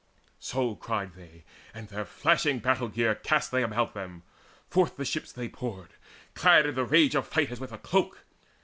So cried they; and their flashing battle gear Cast they about them: forth the ships they poured Clad in the rage of fight as with a cloak.